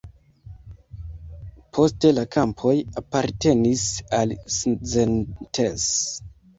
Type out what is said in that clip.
Poste la kampoj apartenis al Szentes.